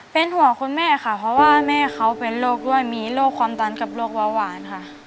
เป็นห่วงคุณแม่ค่ะเพราะว่าแม่เขาเป็นโรคด้วยมีโรคความดันกับโรคเบาหวานค่ะ